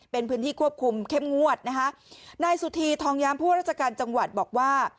เป็นพื้นที่ควบคุมเข้มงวดนะคะนายสุธีทองยามผู้ราชการจังหวัดบอกว่า